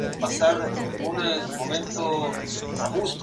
Compartió vestuario con su compatriota y compañero en la selección, Luis Ramírez.